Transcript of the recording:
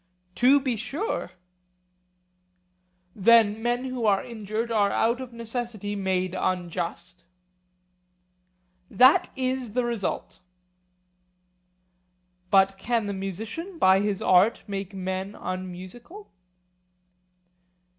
To be sure. Then men who are injured are of necessity made unjust? That is the result. But can the musician by his art make men unmusical?